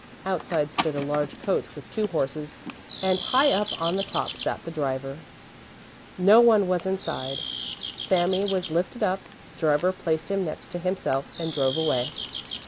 Outside stood a large coach with two horses and high up on the top sat the driver. No one was inside. Sami was lifted up, the driver placed him next himself and drove away.